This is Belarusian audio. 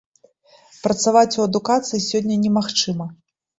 Працаваць у адукацыі сёння немагчыма.